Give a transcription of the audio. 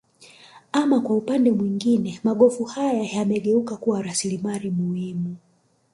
Ama kwa upande mwingine magofu haya yamegeuka kuwa rasilimali muhimu